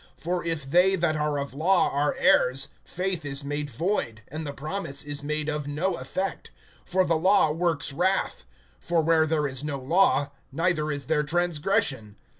(14)For if they that are of law are heirs, faith is made void, and the promise is made of no effect. (15)For the law works wrath; for where there is no law, neither is there transgression.